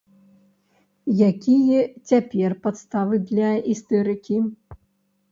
Якія цяпер падставы для істэрыкі?